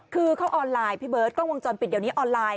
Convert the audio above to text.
คือเขาออนไลน์พี่เบิร์ตกล้องวงจรปิดเดี๋ยวนี้ออนไลน์